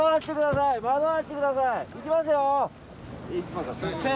いきますよ。